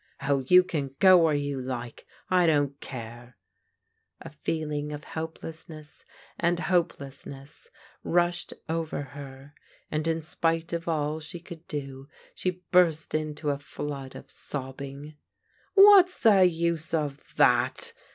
" Oh, you can go where you like — I don't care." A feeling of helplessness and hopelessness rushed over her, and in spite of all she could do she burst into a flood of sobbing. 298 PBODIGAL DAU6HTEBS "WTiat's the use of that?"